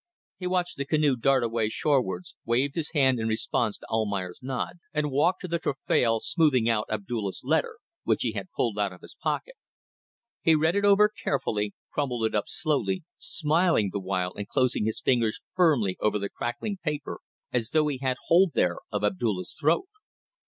He watched the canoe dart away shorewards, waved his hand in response to Almayer's nod, and walked to the taffrail smoothing out Abdulla's letter, which he had pulled out of his pocket. He read it over carefully, crumpled it up slowly, smiling the while and closing his fingers firmly over the crackling paper as though he had hold there of Abdulla's throat.